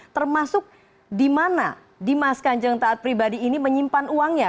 termasuk di mana dimas kanjeng taat pribadi ini menyimpan uangnya